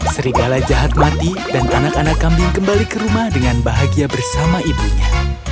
serigala jahat mati dan anak anak kambing kembali ke rumah dengan bahagia bersama ibunya